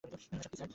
এসব কী স্যার?